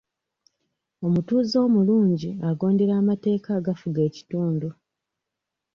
Omutuuze omulungi agondera amateeka agafuga ekitundu.